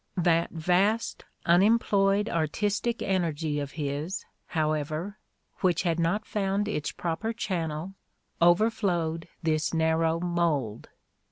That vast, unem ployed artistic energy of his, however, which had not found its proper channel, overflowed this narrow mold.